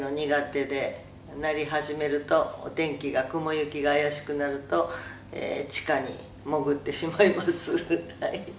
「鳴り始めるとお天気が雲行きが怪しくなると地下に潜ってしまいますはい」